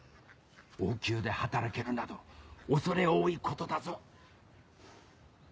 王宮で働けるなど恐れ多いことだぞ。